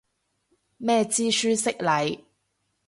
咩知書識禮